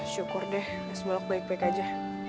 syukur deh es balok baik baik aja